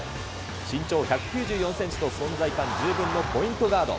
身長１９４センチと存在感十分のポイントガード。